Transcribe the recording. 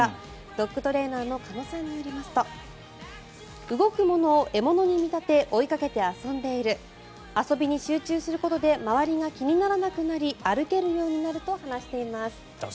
ドッグトレーナーの鹿野さんによりますと動くものを獲物に見立て追いかけて遊んでいる遊びに集中することで周りが気にならなくなり歩けるようになると話しています。